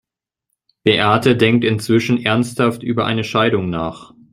Beate denkt inzwischen ernsthaft über eine Scheidung nach.